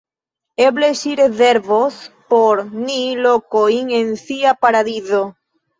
Eble ŝi rezervos por ni lokojn en sia paradizo.